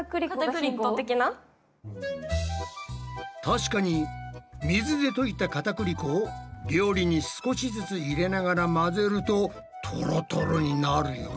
確かに水で溶いたかたくり粉を料理に少しずつ入れながら混ぜるとトロトロになるよなぁ。